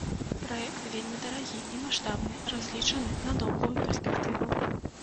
Праект вельмі дарагі і маштабны, разлічаны на доўгую перспектыву.